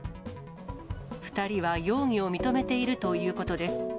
２人は容疑を認めているということです。